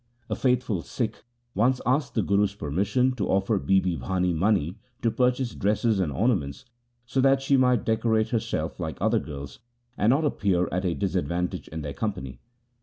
A faithful Sikh once asked the Guru's permission to offer Bibi Bhani money to purchase dresses and ornaments, so that she might decorate herself like other girls, and not appear at a disadvantage in their company.